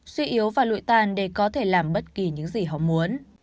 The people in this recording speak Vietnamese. suy yếu và lụi tàn để có thể làm bất kỳ những gì họ muốn